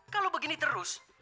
kalau begini terus